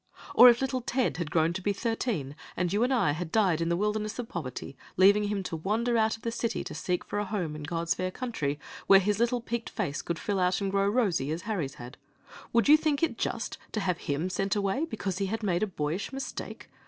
Or if little Ted had grown to be thirteen, and you and I had died in the wilderness of poverty, leaving him to wander out of the city to seek for a home in God's fair country, where his little peaked face could fill out and grow rosy, as Harry's has, would you think it just to have him sent away because he had made a boyish mistake?